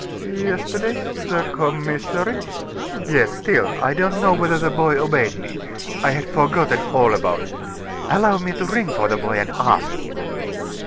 "Yesterday the commissary?" "Yes. Still, I don't know whether the boy obeyed me. I had forgotten all about it. Allow me to ring for the boy, and ask him."